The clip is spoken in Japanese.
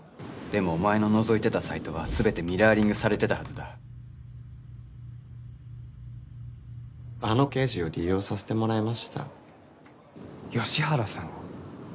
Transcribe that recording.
でもお前ののぞいてたサイトは全てミラーリングされてたはずだあの刑事を利用させてもらいました吉原さんを？